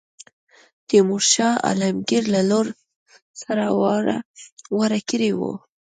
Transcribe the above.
تیمور شاه عالمګیر له لور سره واړه کړی وو.